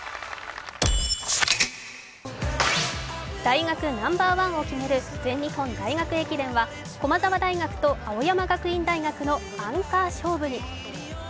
大学ナンバーワンを決める全日本大学駅伝は駒沢大学と青山学院大学のアンカー勝負に。